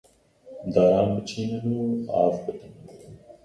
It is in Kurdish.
Daran biçînin û av bidin.